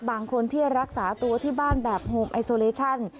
บางคนที่รักษาตัวที่บ้านแบบโฮมไอโซเลชั่น